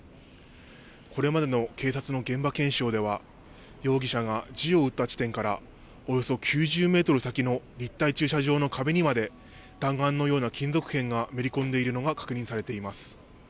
これまでの警察の現場検証では、容疑者が銃を撃った地点からおよそ９０メートル先の立体駐車場の壁にまで、弾丸のような金属片がめり込んでいるのが確認されています。